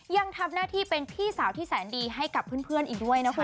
ยังทำหน้าที่เป็นพี่สาวที่แสนดีให้กับเพื่อนอีกด้วยนะคุณ